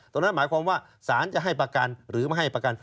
ตรงนั้นหมายความว่าสารจะให้ประกันหรือไม่ให้ประกัน